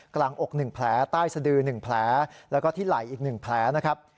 กลางอก๑แผลใต้สดือ๑แผลแล้วก็ที่ไหล่อีก๑แผลนะครับ